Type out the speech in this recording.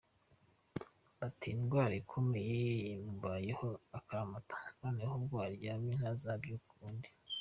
Bati “Indwara ikomeye imubayeho akaramata, Noneho ubwo aryamye ntazabyuka ukundi.”